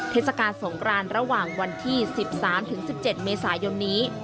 เทศกาลสงครานระหว่างวันที่๑๓๑๗เมษายนนี้